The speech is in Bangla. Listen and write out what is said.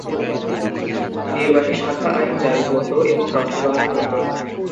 নির্বাহী শাখা আইন জারি করত এবং বাস্তবায়ন করত।